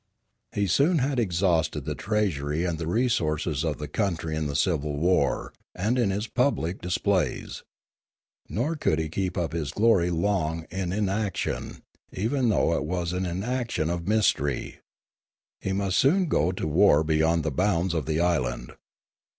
He soon had exhausted the treasury and the resources of the country in the civil war and in his public dis plays. Nor could he keep up his glory long in in action, even though it was an inaction of mystery. He must soon go to war beyond the bounds of the island.